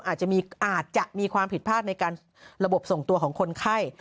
อาจจะมีความผิดพลาดในการระบบส่งตัวของคนไข้